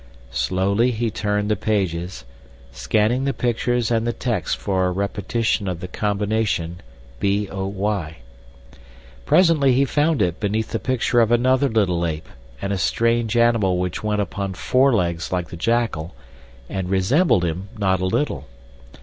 Slowly he turned the pages, scanning the pictures and the text for a repetition of the combination b o y. Presently he found it beneath a picture of another little ape and a strange animal which went upon four legs like the jackal and resembled him not a little.